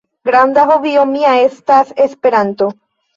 Granda hobio mia estas Esperanto.